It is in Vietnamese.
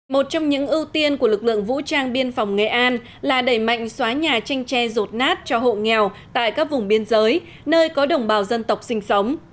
một trong những ưu tiên của lực lượng vũ trang biên phòng nghệ an là đẩy mạnh xóa nhà tranh tre rột nát cho hộ nghèo tại các vùng biên giới nơi có đồng bào dân tộc sinh sống